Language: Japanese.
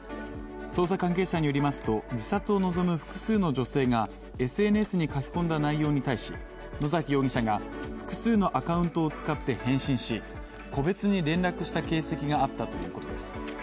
捜査関係者によりますと自殺を望む複数の女性がＳＮＳに書き込んだ内容に対し、野崎容疑者が複数のアカウントを使って返信し、個別に連絡した形跡があったということです。